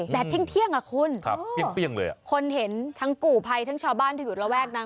แดดเที่ยงอะคุณโอ้โฮคุณเห็นทั้งกู่ภัยทั้งชาวบ้านที่อยู่ระแวดนั้น